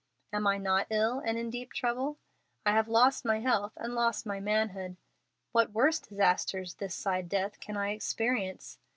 Am I not ill and in deep trouble? I have lost my health and lost my manhood. What worse disasters this side death can I experience?